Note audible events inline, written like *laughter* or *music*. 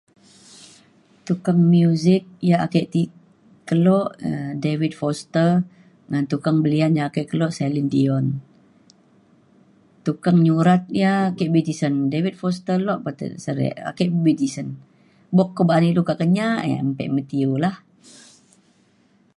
tukang muzik ia' ake ti kelo um David Foster ngan tukang belian ia' ake kelo Celine Dion. tukang nyurat ia' ke be tisen. David Foster lok *unintelligible* ake be tisen. bok ko ba'an ilu ka Kenyah ia' mpe Mathew lah